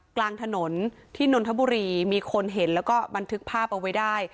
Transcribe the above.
กลางถนนที่นนทบุรีมีคนเห็นแล้วก็บันทึกภาพเอาไว้ได้